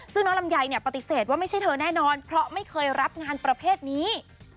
ซึ่งน้องลำไยปฏิเสธว่าไม่ใช่เธอแน่นอนเพราะไม่เคยรับงานประเภทนี้